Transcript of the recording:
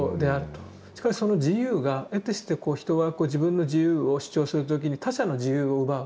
しかしその自由がえてして人は自分の自由を主張する時に他者の自由を奪う。